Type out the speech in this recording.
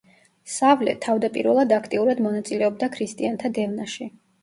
სავლე, თავდაპირველად აქტიურად მონაწილეობდა ქრისტიანთა დევნაში.